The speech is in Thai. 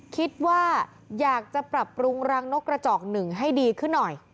คิดว่าอยากจะปรับปรุงรังนกกระจอกหนึ่งให้ดีขึ้นหน่อย